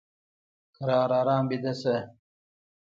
کرار ارام ویده شه !